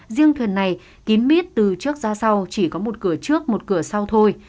riêng thuyền này kín mít từ trước ra sau chỉ có một cửa trước một cửa sau thôi